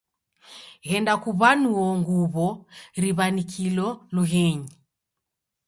Ghenda kuw'anuo nguw'o riw'anikilo lughenyi.